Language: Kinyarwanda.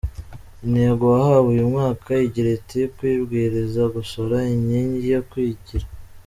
Intego wahawe uyu mwaka igira iti “Kwibwiriza Gusora, Inkingi yo kwigira.